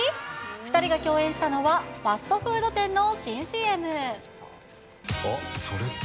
２人が共演したのは、ファストフード店の新Ｃあっ、それって。